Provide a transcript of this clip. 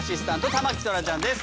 田牧そらちゃんです。